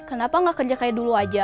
kenapa gak kerja kayak dulu aja